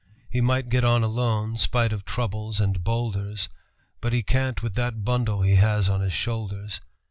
He might get on alone, spite of troubles and bowlders, But he can't with that bundle he has on his shoulders.